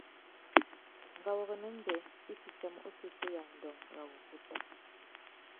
Ngawôrénô mbê i fitimú usésséya dôōng râ umbuta.